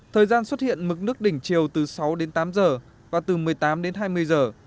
thời gian xuất hiện mực nước đỉnh chiều từ sáu đến tám giờ và từ một mươi tám đến hai mươi giờ